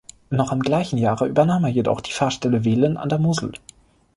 Noch im gleichen Jahre übernahm er jedoch die Pfarrstelle Wehlen an der Mosel.